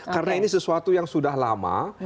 karena ini sesuatu yang sudah lama